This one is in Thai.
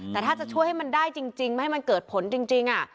แต่ถ้าจะช่วยให้มันได้จริงไม่ให้มันเกิดผลจริง